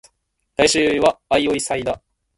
来週は相生祭だ